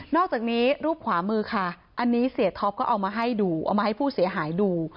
อกจากนี้รูปขวามือค่ะอันนี้เสียท็อปก็เอามาให้ดูเอามาให้ผู้เสียหายดู